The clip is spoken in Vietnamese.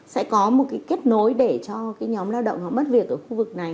sẽ có một cái kết nối để cho cái nhóm lao động mà mất việc ở khu vực này